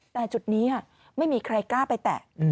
แต่จุดนี้ไม่มีใครกล้าไปแตะ